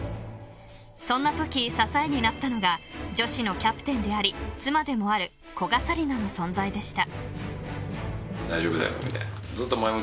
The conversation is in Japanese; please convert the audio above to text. そんなとき支えになったのが女子のキャプテンであり妻でもある古賀紗理那の存在でした。